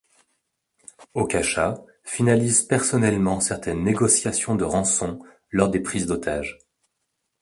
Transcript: Okacha finalise personnellement certaines négociations de rançons lors des prises d'otages.